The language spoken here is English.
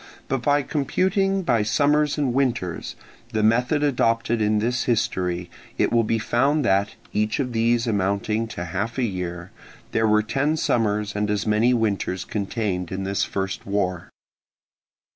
But by computing by summers and winters, the method adopted in this history, it will be found that, each of these amounting to half a year, there were ten summers and as many winters contained in this first war.